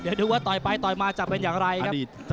เดี๋ยวดูว่าต่อยไปต่อยมาจะเป็นอย่างไรครับ